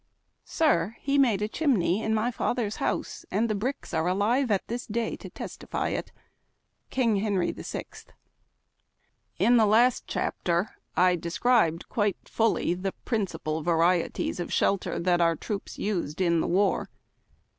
Sir, he made a cliiiiiney in my father's house, and the bricks are alive at this day to testify it." King Henry VI. the last chapter I described quite fully the principal varieties of shelter that our troops used in the war.